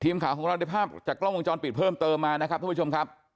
ทีมข่าวของเราได้ภาพจากกล้องวงจรปิดเพิ่มเติมมานะครับท่านผู้ชมครับ